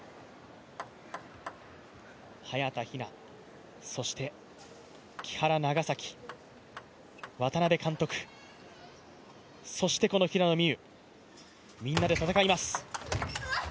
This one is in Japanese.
早田ひな、そして木原、長崎、渡辺監督、そしてこの平野美宇みんなで戦います。